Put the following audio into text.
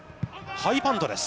ハイパントです。